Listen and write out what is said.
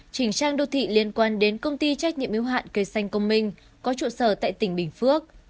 chỉnh trang đô thị liên quan đến công ty trách nhiệm yếu hạn cây xanh công minh có trụ sở tại tỉnh bình phước